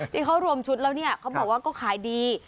ที่เขารวมชุดแล้วเนี่ยเขาบอกว่าก็ขายดี